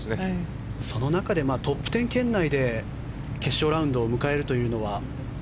その中でトップ１０圏内で決勝ラウンドを迎えるというのは。